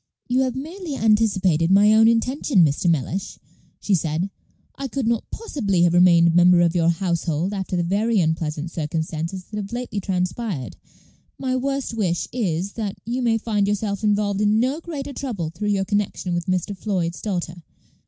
"You have merely anticipated my own intention, Mr. Mellish," she said. "I could not possibly have remained a member of your household after the very unpleasant circumstances that have lately transpired. My worst wish is, that you may find yourself involved in no greater trouble through your connection with Mr. Floyd's daughter.